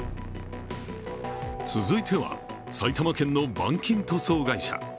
続いては、埼玉県の板金塗装会社。